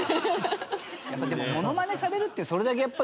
やっぱでもモノマネされるってそれだけやっぱり独特。